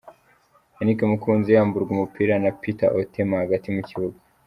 Yannick Mukunzi yamburwa umupira na Peter Otema hagati mu kibuga .